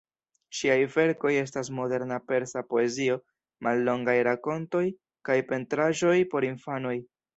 Ŝiaj verkoj estas moderna Persa poezio, mallongaj rakontoj, kaj pentraĵoj por infanoj.